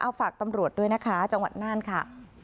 เอาฝากตำรวจด้วยนะคะจังหวัดน่านค่ะ